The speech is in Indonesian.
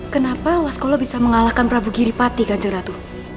kenapa waskolo bisa mengalahkan prabu giripati ganjaratu